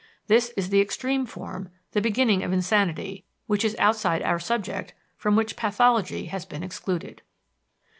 This is the extreme form, the beginning of insanity, which is outside our subject, from which pathology has been excluded.